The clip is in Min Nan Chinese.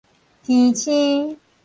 天星